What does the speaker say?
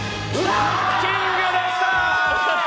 キングでした。